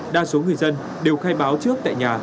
đa số người dân đều khai báo trước tại nhà